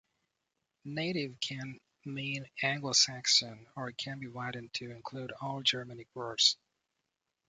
"Native" can mean "Anglo-Saxon" or it can be widened to include all Germanic words.